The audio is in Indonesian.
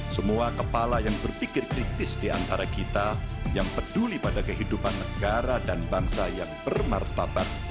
semua kepala yang berpikir kritis diantara kita yang peduli pada kehidupan negara dan bangsa yang bermartabat